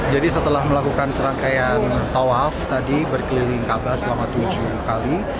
jadi setelah melakukan serangkaian tawaf tadi berkeliling kaabah selama tujuh kali